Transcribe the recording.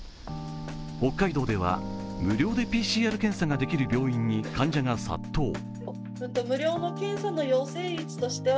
北海道では無料でＰＣＲ検査できる病院に患者が殺到。